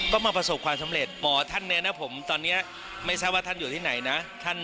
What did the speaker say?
ก็มาประสบความสำเร็จหมอท่านแนะนำผมตอนนี้ไม่ทราบว่าท่านอยู่ที่ไหนนะ